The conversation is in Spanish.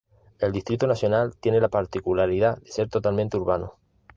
El Distrito Nacional tiene la particularidad de ser totalmente urbano.